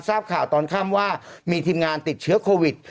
ทราบข่าวตอนค่ำว่ามีทีมงานติดเชื้อโควิด